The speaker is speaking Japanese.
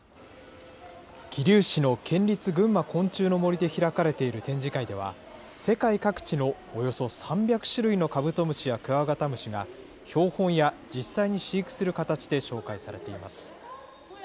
桐生市の県立ぐんま昆虫の森で開かれている展示会では、世界各地のおよそ３００種類のカブトムシやクワガタムシが、標本や実際に飼育する形で紹介されています。